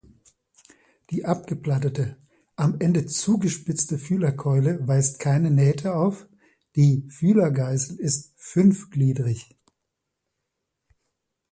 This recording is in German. Die abgeplattete, am Ende zugespitzte Fühlerkeule weist keine Nähte auf, die Fühlergeißel ist fünfgliedrig.